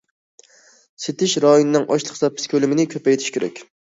سېتىش رايونىنىڭ ئاشلىق زاپىسى كۆلىمىنى كۆپەيتىش كېرەك.